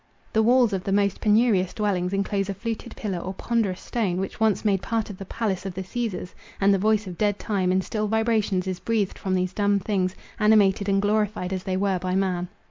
The walls of the most penurious dwellings enclose a fluted pillar or ponderous stone, which once made part of the palace of the Cæsars; and the voice of dead time, in still vibrations, is breathed from these dumb things, animated and glorified as they were by man.